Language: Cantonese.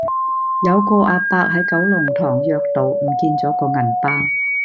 有個亞伯喺九龍塘約道唔見左個銀包